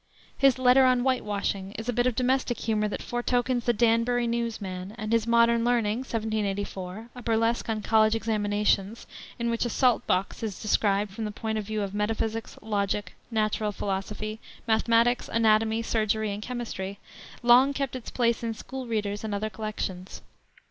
His Letter on Whitewashing is a bit of domestic humor that foretokens the Danbury News man, and his Modern Learning, 1784, a burlesque on college examinations, in which a salt box is described from the point of view of metaphysics, logic, natural philosophy, mathematics, anatomy, surgery and chemistry, long kept its place in school readers and other collections.